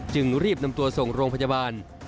จึงรีบนำตัวส่งโรงพยาบาล